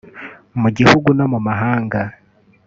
mu gihugu no mu mahanga